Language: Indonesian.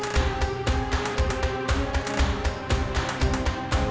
semarang semarang semarang